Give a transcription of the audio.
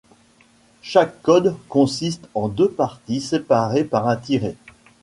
Chaque code consiste en deux parties séparées par un tiret.